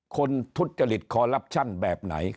ทุจริตคอลลับชั่นแบบไหน